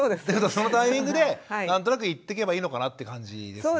そのタイミングで何となく言っていけばいいのかなという感じですね。